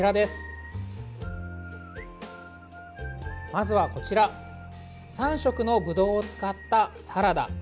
まずはこちら３色のブドウを使ったサラダ。